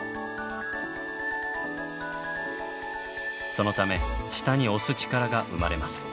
そのため下に押す力が生まれます。